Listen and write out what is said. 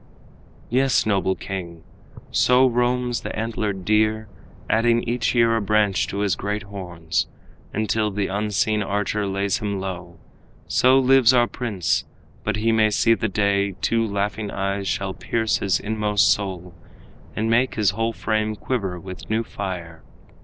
"Yes, noble king, so roams the antlered deer, Adding each year a branch to his great horns, Until the unseen archer lays him low. So lives our prince; but he may see the day Two laughing eyes shall pierce his inmost soul, And make his whole frame quiver with new fire.